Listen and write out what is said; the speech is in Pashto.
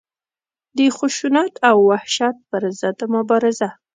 د خشونت او وحشت پر ضد مبارزه.